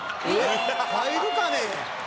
入るかね？